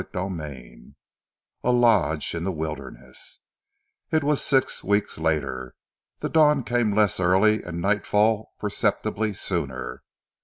CHAPTER XIII A LODGE IN THE WILDERNESS It was six weeks later. The dawn came less early, and nightfall perceptibly sooner.